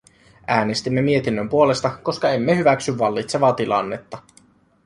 Äänestimme mietinnön puolesta, koska emme hyväksy vallitsevaa tilannetta.